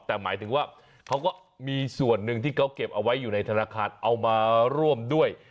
แต่หมายถึงว่าเขาก็มีส่วนหนึ่งที่เขาเก็บเอาไว้อยู่ในธนาคารเอามาร่วมด้วย